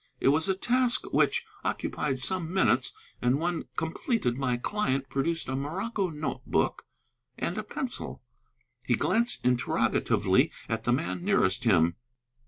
It was a task which occupied some minutes, and when completed my client produced a morocco note book and a pencil. He glanced interrogatively at the man nearest him.